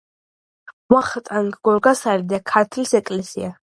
ვახტანგ გორგასალი და ქართლის ეკლესია.